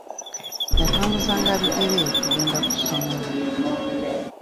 Yatambuzanga bigere okugenda ku ssomero.